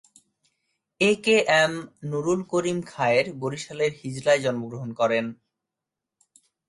এ K M Nurul Karim Khayer বরিশালের হিজলায় জন্মগ্রহণ করেন।